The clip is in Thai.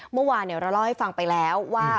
เมื่อวานเราเล่าให้ฟังไปแล้วว่า